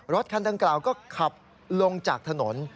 รถคันดังกล่าวก็ขับลงจากถนน